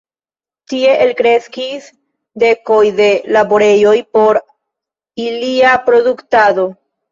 Tie elkreskis dekoj de laborejoj por ilia produktado.